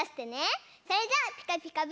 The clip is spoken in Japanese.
それじゃあ「ピカピカブ！」